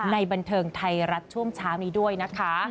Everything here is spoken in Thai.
ในบันเทิงไทยรัฐช่วงเช้านี้ด้วยนะคะ